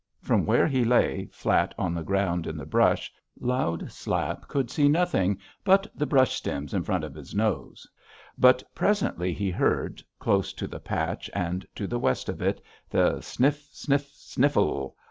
From where he lay, flat on the ground in the brush, Loud Slap could see nothing but the brush stems in front of his nose; but presently he heard, close to the patch and to the west of it, the sniff! sniff! sniffle!